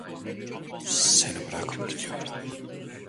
Seni bırakıp gidiyorum.